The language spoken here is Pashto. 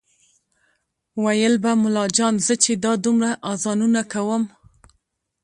ویل به ملا جان زه چې دا دومره اذانونه کوم